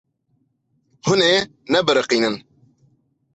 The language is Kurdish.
Hûn ê nebiriqînin.